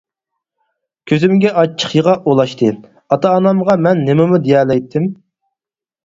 كۆزۈمگە ئاچچىق يىغا ئولاشتى، ئاتا-ئانامغا مەن نېمىمۇ دېيەلەيتتىم؟ !